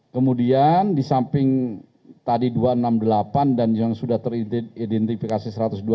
kemudian di samping tadi dua ratus enam puluh delapan dan yang sudah teridentifikasi satu ratus dua puluh